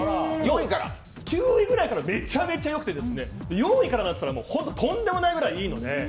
９位ぐらいからめちゃめちゃよくて４位からは本当にとんでもないぐらいいいので。